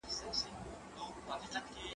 دا ليک له هغه ښه دی!.